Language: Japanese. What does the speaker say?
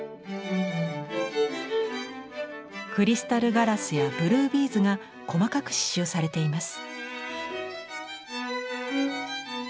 クリスタルガラスやブルービーズが細かく刺しゅうされています。